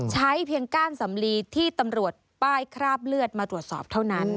ใช้เพียงก้านสำลีที่ตำรวจป้ายคราบเลือดมาตรวจสอบเท่านั้น